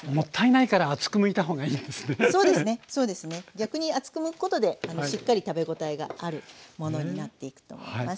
逆に厚くむくことでしっかり食べ応えがあるものになっていくと思います。